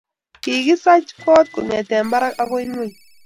Kikisach koot kongete barak agoi ngweny